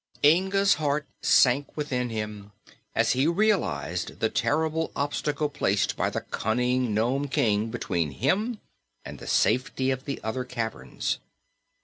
Inga's heart sank within him as he realized the terrible obstacle placed by the cunning Nome King between him and the safety of the other caverns.